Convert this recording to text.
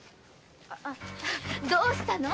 どうしたの？